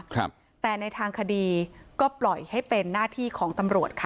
ครับแต่ในทางคดีก็ปล่อยให้เป็นหน้าที่ของตำรวจค่ะ